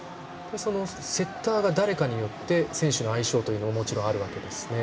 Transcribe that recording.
セッターが誰かによって選手の相性ももちろんあるわけですね。